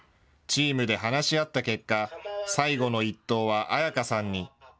チームで話し合った結果、最後の一投は彩夏さんに。